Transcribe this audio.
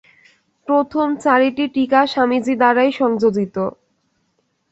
প্রথম চারিটি টীকা স্বামীজী দ্বারাই সংযোজিত।